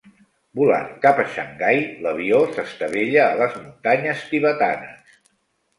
Volant cap a Xangai, l'avió s'estavella a les muntanyes tibetanes.